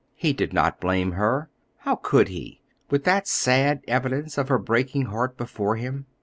He did not blame her, how could he, with that sad evidence of her breaking heart before him?